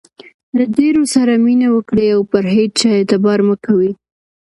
له ډېرو سره مینه وکړئ، او پر هيچا اعتبار مه کوئ!